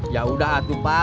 yaudah aduh pak